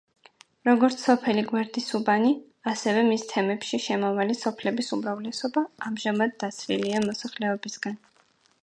როგორც სოფელი გვერდისუბანი, ასევე მის თემში შემავალი სოფლების უმრავლესობა ამაჟამად დაცლილია მოსახლეობისგან.